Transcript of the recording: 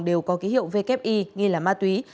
đều có ký hiệu vkpi nghi là ma túy